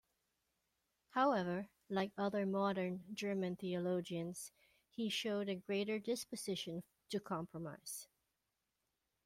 However, like other modern German theologians, he showed a greater disposition to compromise.